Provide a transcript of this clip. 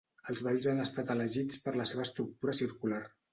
Els balls han estat elegits per la seva estructura circular.